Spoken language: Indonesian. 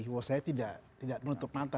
bahwa saya tidak menutup mata